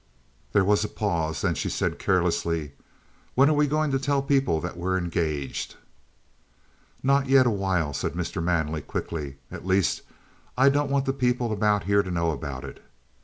There was a pause. Then she said carelessly: "When are we going to tell people that we're engaged?" "Not yet awhile," said Mr. Manley quickly. "At least I don't want the people about here to know about it.